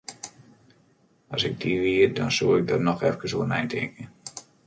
As ik dy wie, dan soe ik der noch efkes oer neitinke.